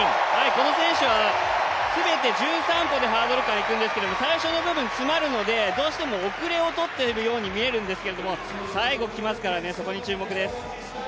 この選手は全て１３歩でハードル間行くんですけど最初の部分詰まるのでどうしても遅れてるように見えるんですが最後きますから、そこに注目です。